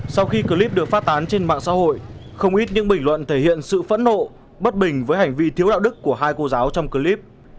sau khi clip được phát tán trên mạng xã hội không ít những bình luận thể hiện sự phẫn nộ bất bình với hành vi thiếu đạo đức của hai cô giáo trong clip